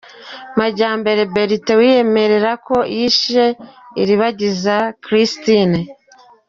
Majyambere Bertin wiyemerera ko yishe Iribagiza Christine